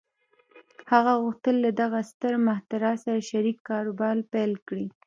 هغه غوښتل له دغه ستر مخترع سره شريک کاروبار پيل کړي.